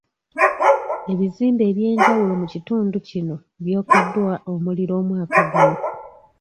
Ebizimbe eby'enjawulo mu kitundu kino byokyeddwa omuliro omwaka guno.